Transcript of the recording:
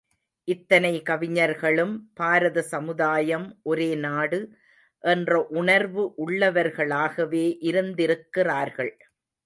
இத்தனை கவிஞர்களும் பாரத சமுதாயம் ஒரே நாடு என்ற உணர்வு உள்ளவர்களாகவே இருந்திருக்கிறார்கள்.